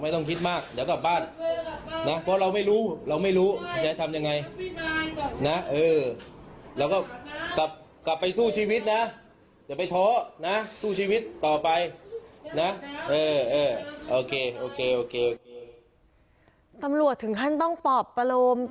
ตำรวจถึงขั้นต้องปอบประโลม